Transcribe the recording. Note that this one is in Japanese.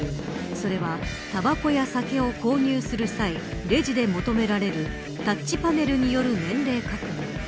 それはタバコや酒を購入する際レジで求められるタッチパネルによる年齢確認。